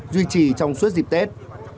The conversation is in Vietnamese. duy trì trong suốt dịp tết